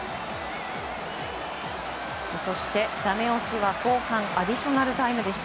そしてダメ押しは後半アディショナルタイム。